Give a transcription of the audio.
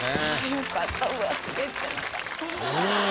よかった上すべってなかった。